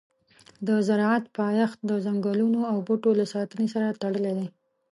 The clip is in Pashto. د زراعت پایښت د ځنګلونو او بوټو له ساتنې سره تړلی دی.